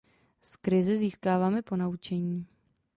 Z krize získáváme ponaučení.